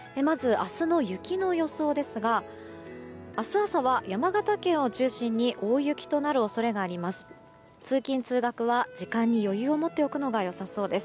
明日の雪の予想ですが明日朝は山形県を中心に大雪となる恐れがあります。